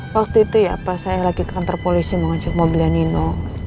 waktu itu ya pas saya lagi ke kantor polisi menghasilkan mobilnya nino